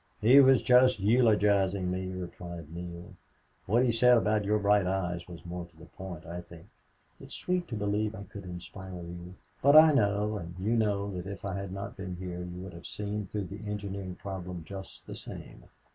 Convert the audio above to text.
"He was just eulogizing me," replied Neale. "What he said about your bright eyes was more to the point, I think." "It's sweet to believe I could inspire you. But I know and you know that if I had not been here you would have seen through the engineering problem just the same...